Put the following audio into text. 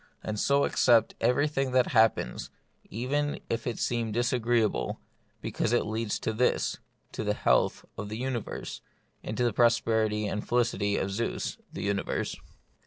And so accept everything that hap pens, even if it seem disagreeable, because it leads to this, to the health of the universe, and to the prosperity and felicity of Zeus (the uni verse.)